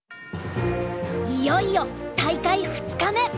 いよいよ大会２日目。